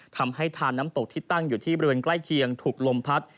ทำให้ทานน้ำตกที่ตั้งอยู่ที่บริเวณใกล้เคียงถูกลมพัด